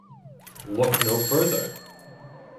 Look no further!